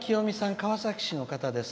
川崎市の方です。